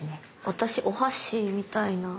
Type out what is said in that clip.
私お箸みたいな。